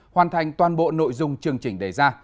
hoàn thành toàn bộ nội dung chương trình đề ra